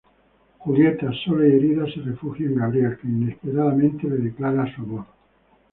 Julieta, sola y herida, se refugia en Gabriel, que inesperadamente le declara su amor.